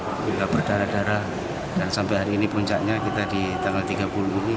alhamdulillah berdarah darah dan sampai hari ini puncaknya kita di tanggal tiga puluh ini